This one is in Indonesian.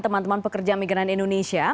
teman teman pekerja migran indonesia